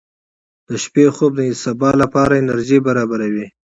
• د شپې خوب د سبا لپاره انرژي برابروي.